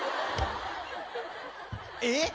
えっ？